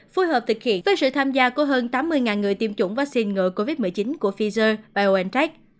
phối hợp thực hiện với sự tham gia của hơn tám mươi người tiêm chủng vaccine ngừa covid một mươi chín của pfizer biontech